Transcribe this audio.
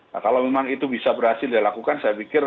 nah kalau memang itu bisa berhasil dilakukan saya pikir